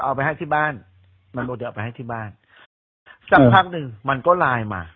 เอาไปให้ที่บ้านมาดูเดี๋ยวเอาไปให้ที่บ้านสักพักหนึ่งมันก็ไลน์มา